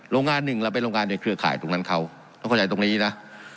โรงงานหนึ่งเราเป็นโรงงานในเครือข่ายตรงนั้นเขาต้องเข้าใจตรงนี้นะ